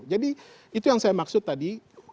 jadi itu yang saya maksud tadi